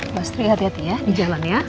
bu astri hati hati ya di jalan ya